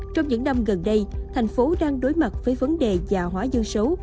trong những năm gần đây tp hcm đang đối mặt với vấn đề già hóa dân số